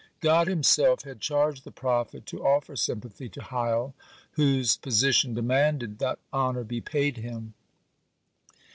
God Himself had charged the prophet to offer sympathy to Hiel, whose position demanded that honor be paid him.